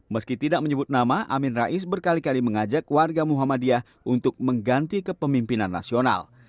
meski tidak menyebut nama amin rais berkali kali mengajak warga muhammadiyah untuk mengganti kepemimpinan nasional